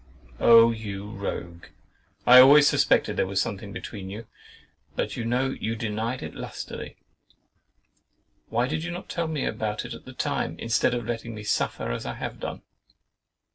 Ah! you rogue, I always suspected there was something between you, but you know you denied it lustily: why did you not tell me all about it at the time, instead of letting me suffer as I have done?